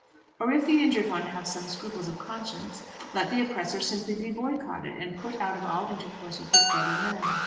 Or if the injured one have some scruples of conscience, let the oppressor simply be boycotted, and put out of all intercourse with his brother men.